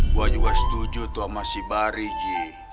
gue juga setuju tuh sama si bari ji